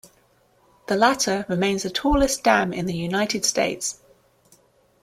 The latter remains the tallest dam in the United States.